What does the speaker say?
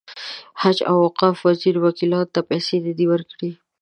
حج او اوقاف وزیر وکیلانو ته پیسې نه دي ورکړې.